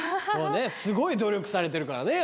すごい努力されてるからね